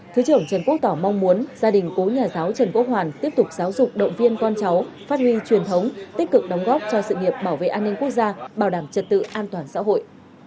thứ trưởng trần quốc tỏ mong muốn gia đình cố nhà giáo trần quốc hoàn tiếp tục giáo dục động viên con cháu phát huy truyền thống tích cực đóng góp cho sự nghiệp bảo vệ an ninh quốc gia bảo đảm trật tự an toàn xã hội